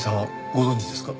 ご存じですか？